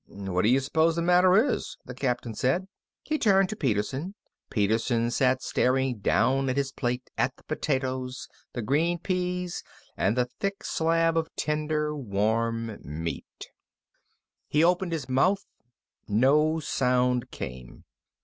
"What do you suppose the matter is?" the Captain said. He turned to Peterson. Peterson sat staring down at his plate, at the potatoes, the green peas, and at the thick slab of tender, warm meat. He opened his mouth. No sound came.